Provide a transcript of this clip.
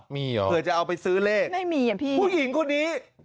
มีเหรอเผื่อจะเอาไปซื้อเลขไม่มีอ่ะพี่ผู้หญิงคนนี้